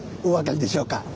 お分かりでしょうか。